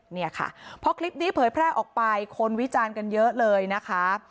เนี่ยค่ะพอคลิปนี้เผยแพร่ออกไปคนวิจารณ์กันเยอะเลยนะคะ